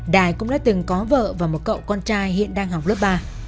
đài cũng đã từng có vợ và một cậu con trai hiện đang học lớp ba